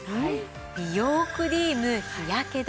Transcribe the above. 美容クリーム日焼け止め